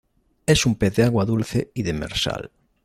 Es un pez de agua dulce y demersal.